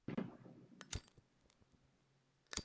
En Berlín existe una calle con su nombre.